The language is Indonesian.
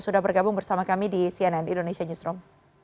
sudah bergabung bersama kami di cnn indonesia newsroom